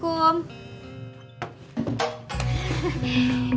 bukan buat beli obat batuk